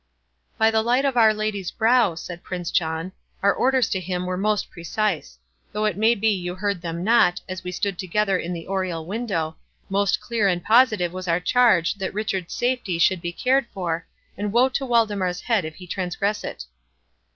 "By the light of Our Lady's brow," said Prince John, "our orders to him were most precise—though it may be you heard them not, as we stood together in the oriel window—Most clear and positive was our charge that Richard's safety should be cared for, and woe to Waldemar's head if he transgress it!"